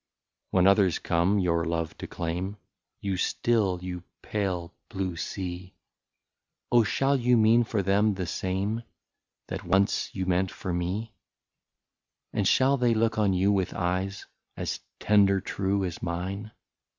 When others come your love to claim, You still, you pale, blue sea, Oh ! shall you mean for them the same, That once you meant for me ; And shall they look on you with eyes As tender true as mine.